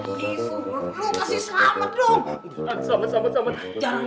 utk tetap sama bang hasan saja pak